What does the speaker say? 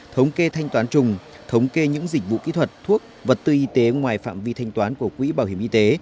thống kê thanh toán trùng thống kê những dịch vụ kỹ thuật thuốc vật tư y tế ngoài phạm vi thanh toán của quỹ bảo hiểm y tế